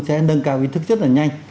sẽ nâng cao ý thức rất là nhanh